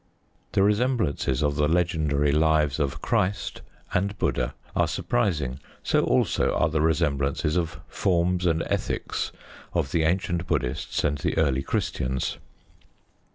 The resemblances of the legendary lives of Christ and Buddha are surprising: so also are the resemblances of forms and ethics of the ancient Buddhists and the early Christians.